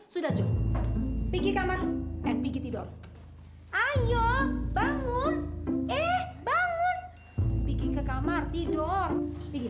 sudah cukup pikirkan dan pergi tidur ayo bangun eh bangun bikin ke kamar tidur tidur